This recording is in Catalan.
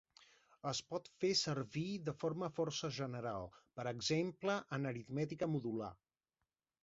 Es pot fer servir de forma força general, per exemple en aritmètica modular.